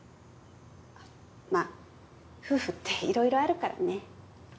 まっ夫婦っていろいろあるからね。